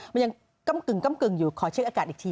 มันยังกำกึ่งอยู่ขอชื่ออากาศอีกที